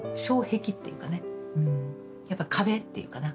やっぱ壁っていうかな